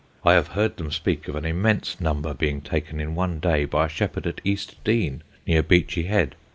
I have heard them speak of an immense number being taken in one day by a shepherd at East Dean, near Beachy Head.